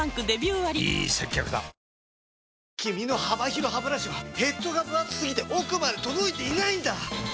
君の幅広ハブラシはヘッドがぶ厚すぎて奥まで届いていないんだ！